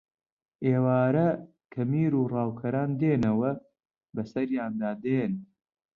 ئێوارە کە میر و ڕاوکەران دێنەوە بەسەریاندا دێن